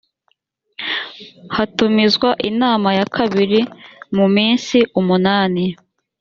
hatumizwa inama ya kabiri mu minsi umunani